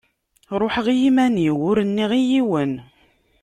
Ruḥeɣ iman-iw ur nniɣ i yiwen.